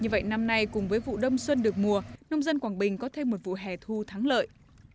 như vậy năm nay cùng với vụ đông xuân được mùa nông dân quảng bình có thêm một vụ hè thu thắng lợi